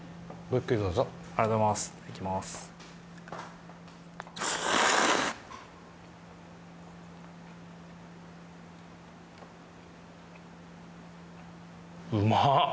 ゆっくりどうぞありがとうございますいただきますうまっ！